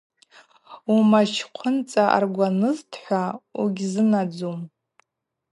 Умачхъвынцӏа аргванызтӏхӏва угьазынадзум.